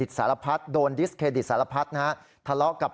เพราะว่ามีทีมนี้ก็ตีความกันไปเยอะเลยนะครับ